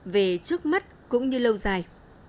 về trước mắt cũng như lâu dài